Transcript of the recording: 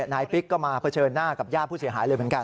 ปิ๊กก็มาเผชิญหน้ากับญาติผู้เสียหายเลยเหมือนกัน